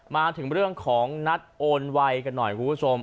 มาถึงเรื่องของนัดโอนไวกันหน่อยคุณผู้ชม